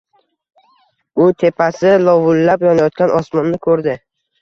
U tepasida lovullab yonayotgan osmonni ko’rdi.